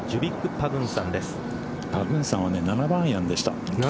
パグンサンは７番アイアンでした。